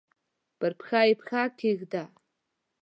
پر پښه یې پښه کښېږده!